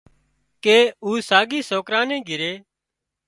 ڪي او ساڳي سوڪرا نِي گھري